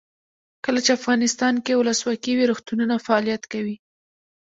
کله چې افغانستان کې ولسواکي وي روغتونونه فعالیت کوي.